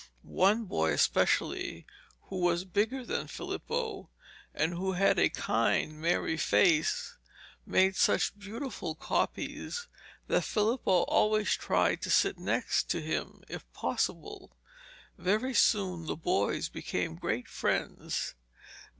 One boy especially, who was bigger than Filippo, and who had a kind merry face, made such beautiful copies that Filippo always tried to sit next him if possible. Very soon the boys became great friends.